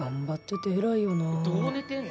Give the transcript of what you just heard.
「どう寝てんの？」